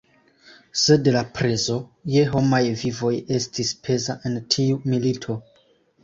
Sed la prezo je homaj vivoj estis peza en tiu milito.